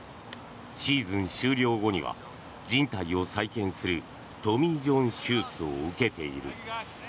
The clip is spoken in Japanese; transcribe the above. シーズン終了後にはじん帯を再建するトミー・ジョン手術を受けている。